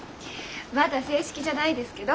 まだ正式じゃないですけど。